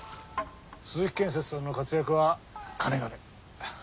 鈴木建設さんの活躍はかねがね。